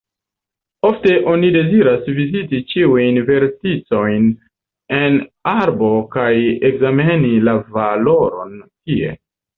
Ofte oni deziras viziti ĉiujn verticojn en arbo kaj ekzameni la valoron tie.